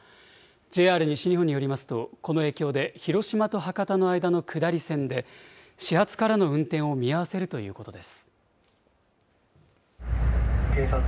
ＪＲ西日本によりますと、この影響で、広島と博多の間の下り線で、始発からの運転を見合わせるということです。